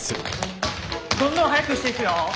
どんどん速くしていくよ。